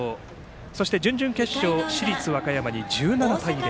そして準々決勝市立和歌山に１７対０。